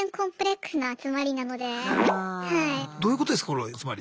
どういうことですかこれはつまり。